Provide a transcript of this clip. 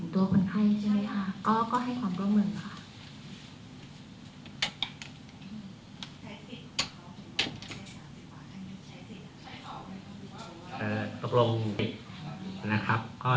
ตัวคนไข้ใช่ไหมคะก็ให้ความร่วมร่วมกันค่ะ